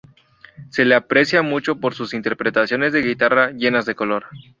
Se le aprecia mucho por sus interpretaciones de guitarra, llenas de color.